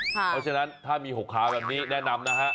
เพราะฉะนั้นถ้ามี๖ขาวแบบนี้แนะนำนะฮะ